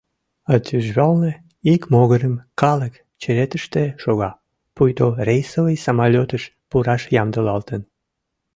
А тӱжвалне ик могырым калык черетыште шога, пуйто рейсовый самолётыш пураш ямдылалтын.